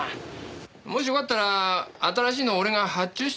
もしよかったら新しいのを俺が発注しとくけど。